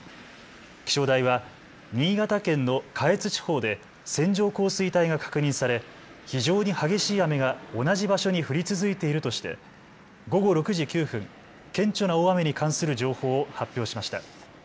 気象台は新潟県の下越地方で線状降水帯が確認され非常に激しい雨が同じ場所に降り続いているとして午後６時９分、顕著な大雨に関する情報を発表しました。